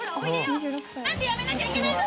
何でやめなきゃいけないの？